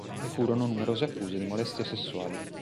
Vi furono numerose accuse di molestie sessuali.